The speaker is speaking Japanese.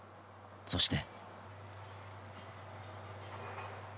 そして。